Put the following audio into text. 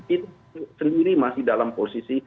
itu sendiri masih dalam posisi